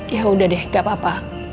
ya udah deh gak apa apa